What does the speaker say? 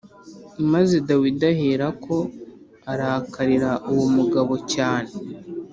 Maze Dawidi aherako arakarira uwo mugabo cyane.